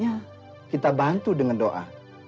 ya kita bantu dengan doa